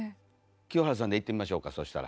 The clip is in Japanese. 清原さんでいってみましょうかそしたら。